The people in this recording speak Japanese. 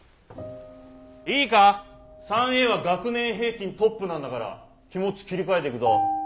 いいか３Ａは学年平均トップなんだから気持ち切り替えてくぞ。